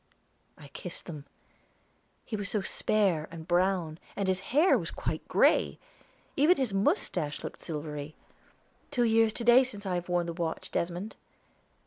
I kissed them. He was so spare, and brown, and his hair was quite gray! Even his mustache looked silvery. "Two years to day since I have worn the watch, Desmond."